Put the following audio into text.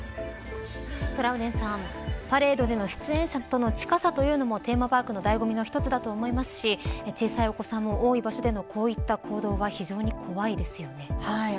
トラウデンさん、パレードでの出演者との近さというのもテーマパークの醍醐味の一つだと思いますし小さいお子さんが多い場所でのこういった行動は怖いですよね。